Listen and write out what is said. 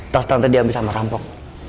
tas tante diambil sama rampok